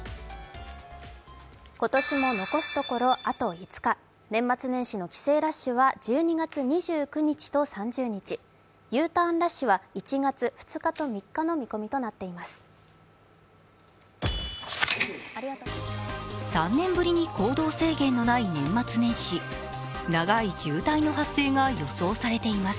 今年も残すところあと５日年末年始の帰省ラッシュは１２月２９日と３０日、Ｕターンラッシュは１月２日と３日の見込みとなっています。